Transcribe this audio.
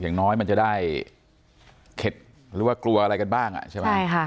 อย่างน้อยมันจะได้เข็ดหรือว่ากลัวอะไรกันบ้างอ่ะใช่ไหมใช่ค่ะ